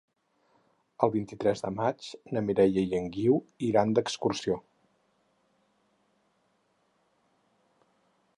El vint-i-tres de maig na Mireia i en Guiu iran d'excursió.